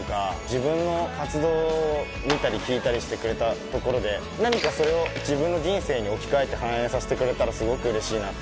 自分の活動を見たり聞いたりしてくれたところで何かそれを自分の人生に置き換えて反映させてくれたらすごくうれしいな。